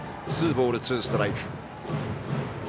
ツーボール、ツーストライク。